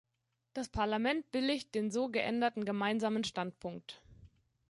Das Parlament billigt den so geänderten Gemeinsamen Standpunkt.